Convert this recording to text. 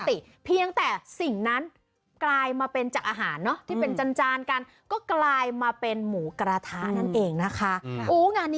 ปกติเพียงแต่สิ่งนั้นกลายมาเป็นจากอาหารเนอะที่เป็นจานกันก็กลายมาเป็นหมูกระทะนั่นเองนะคะงานนี้